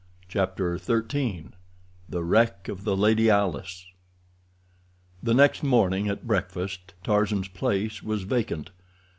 Chapter XIII The Wreck of the "Lady Alice" The next morning at breakfast Tarzan's place was vacant.